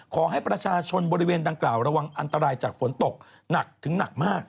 ขอให้ประชาชนบริเวณดังกล่าวระวังอันตรายจากฝนตกหนักถึงหนักมาก